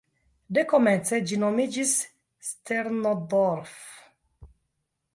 De komence ĝi nomiĝis "Sterndorf".